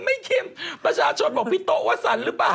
คิมประชาชนบอกพี่โต๊ะว่าสั่นหรือเปล่า